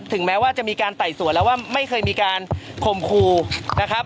แม้ว่าจะมีการไต่สวนแล้วว่าไม่เคยมีการคมครูนะครับ